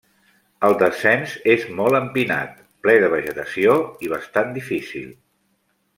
El descens és molt empinat, ple de vegetació i bastant difícil.